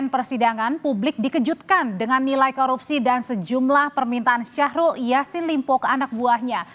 di persidangan publik dikejutkan dengan nilai korupsi dan sejumlah permintaan syahrul yassin limpo ke anak buahnya